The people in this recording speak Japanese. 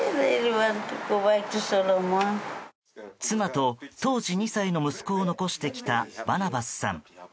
妻と当時２歳の息子を残してきたバナバスさん。